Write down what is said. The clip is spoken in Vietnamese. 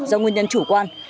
do nguyên nhân chủ quan